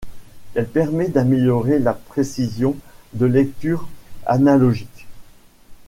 Elle permet d'améliorer la précision de lecture analogique.